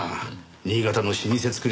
新潟の老舗造り